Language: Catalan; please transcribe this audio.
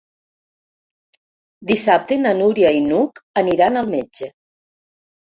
Dissabte na Núria i n'Hug aniran al metge.